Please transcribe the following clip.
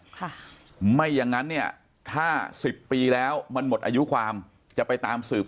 ค่ะไม่อย่างนั้นเนี่ยถ้าสิบปีแล้วมันหมดอายุความจะไปตามสืบ